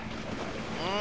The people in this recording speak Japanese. うん。